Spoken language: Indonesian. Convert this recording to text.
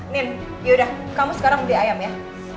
nin ya udah kamu sekarang beli ayam ya